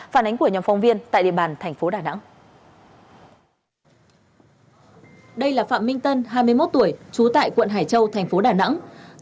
phản ánh của nhóm phóng viên tại địa bàn thành phố đà nẵng